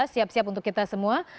siap siap untuk kita semua